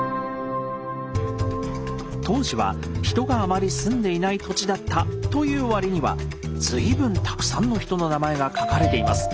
当時は人があまり住んでいない土地だったという割には随分たくさんの人の名前が書かれています。